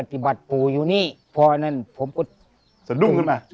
สะดุ้งขึ้นมา